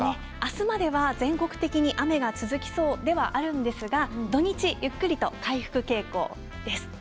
明日までは全国的に雨が続きそうではあるんですが土日ゆっくりと回復傾向です。